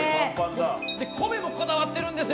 米もこだわっているんですよ。